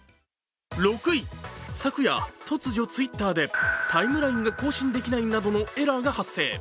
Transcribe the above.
昨夜、突如Ｔｗｉｔｔｅｒでタイムラインが更新できないなどのエラーが発生。